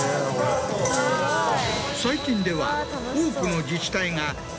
・最近では。